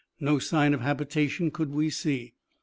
No sign of habitation could we see.